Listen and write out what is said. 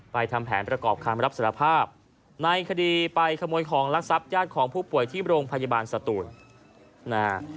ทำแผนประกอบคำรับสารภาพในคดีไปขโมยของลักษัพญาติของผู้ป่วยที่โรงพยาบาลสตูนนะฮะ